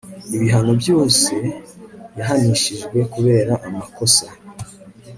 ibihano byose yahanishijwe kubera amakosa